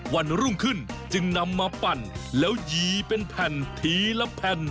วันรุ่งขึ้นจึงนำมาปั่นแล้วยีเป็นแผ่นทีละแผ่น